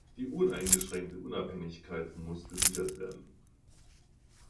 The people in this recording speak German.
Die uneingeschränkte Unabhängigkeit muss gesichert werden.